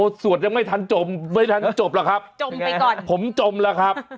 สวดยังไม่ทันจมไม่ทันจบหรอกครับจมไปก่อนผมจมแล้วครับ